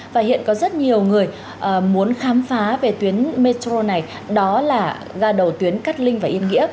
và hiện có rất nhiều người muốn khám phá về tuyến metro này đó là ga đầu tuyến cát linh và yên nghĩa